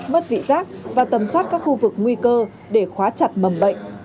mất vị giác và tầm soát các khu vực nguy cơ để khóa chặt mầm bệnh